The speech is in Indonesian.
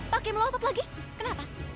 pak kim melotot lagi kenapa